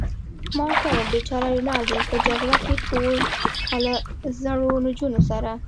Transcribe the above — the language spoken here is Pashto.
ما ورته وویل: بېچاره رینالډي، په جګړه کې ټول، خو له زړو نجونو سره.